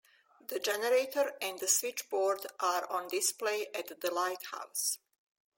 The generator and the switchboard are on display at the lighthouse.